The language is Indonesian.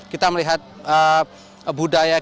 kita melihat budaya kinerja